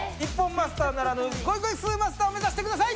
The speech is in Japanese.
マスターならぬゴイゴイスーマスターを目指してください！